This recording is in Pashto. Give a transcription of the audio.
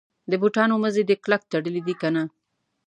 د بوټانو مزي دي کلک تړلي دي کنه.